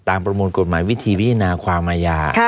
ตามประมวลกฎหมายวิธีวิทยาความอาญา